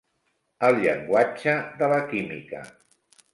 El llenguatge de la química.